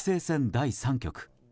第３局。